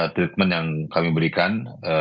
treatment yang kami berikan